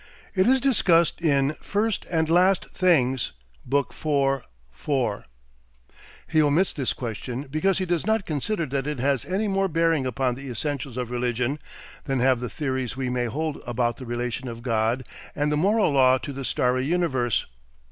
[It is discussed in "First and Last Things," Book IV, 4.] He omits this question because he does not consider that it has any more bearing upon the essentials of religion, than have the theories we may hold about the relation of God and the moral law to the starry universe.